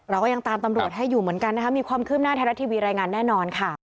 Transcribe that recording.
เราก็ยังตามตำรวจให้อยู่เหมือนกันนะคะมีความคืบหน้าไทยรัฐทีวีรายงานแน่นอนค่ะ